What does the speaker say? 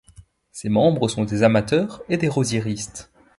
Ses membres sont des amateurs et des rosiéristes.